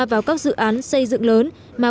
vào các dự án xây dựng lớn mà